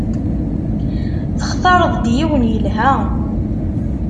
Textareḍ-d yiwen yelha.